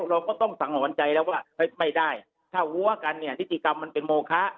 เราก็ต้องสังหรณ์ใจแล้วว่าไม่ได้ถ้าหัวกันเนี่ยนิติกรรมมันเป็นโมคะ